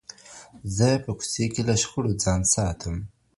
زه په کوڅې کي له شخړو ځان ساتم.